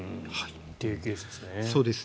というケースですね。